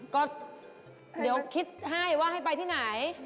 ก็เดี๋ยวคิดให้ว่าให้ไปที่ไหน